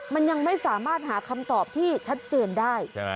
มันยังไม่สามารถหาคำตอบที่ชัดเจนได้